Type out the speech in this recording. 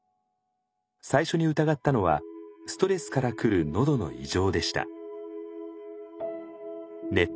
最初に疑ったのはストレスから来るのどの異常でした。